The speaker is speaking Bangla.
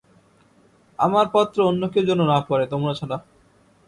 আমার পত্র অন্য কেউ যেন না পড়ে, তোমরা ছাড়া।